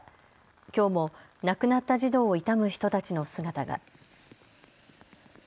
きょうも亡くなった児童を悼む人たちの姿が。